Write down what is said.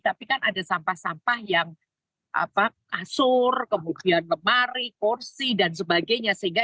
tapi kan ada sampah sampah yang apa asur kemudian lemari kursi dan sebagainya sehingga